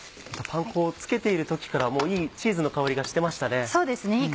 パン粉をつけている時からもういいチーズの香りがしてましたね。